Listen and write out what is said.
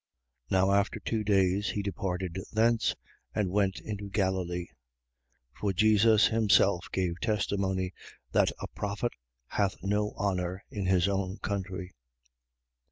4:43. Now after two days, he departed thence and went into Galilee. 4:44. For Jesus himself gave testimony that a prophet hath no honour in his own country.